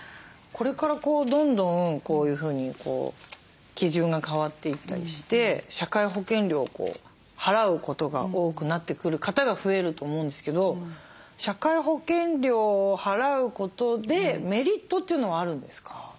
これからどんどんこういうふうに基準が変わっていったりして社会保険料を払うことが多くなってくる方が増えると思うんですけど社会保険料を払うことでメリットというのはあるんですか？